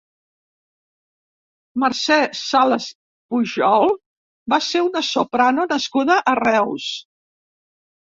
Mercè Salas Pujol va ser una soprano nascuda a Reus.